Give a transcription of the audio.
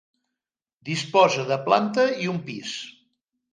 Disposa de planta i un pis.